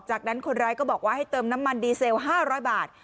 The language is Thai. จากนั้นคนร้ายก็บอกว่าให้เติมน้ำมันดีเซล๕๐๐บาท